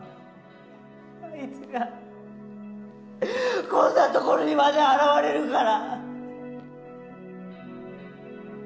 あいつがこんな所にまで現れるから。